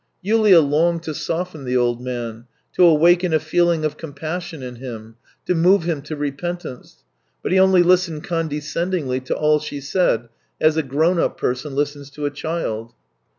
Yulia longed to soften the old man, to awaken a feehng of compassion in him, to move him to repentance; but he only listened condescendingly to all she said, as a grown up person Ustens to a child.